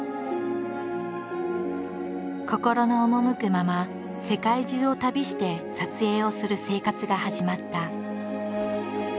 心の赴くまま世界中を旅して撮影をする生活が始まった。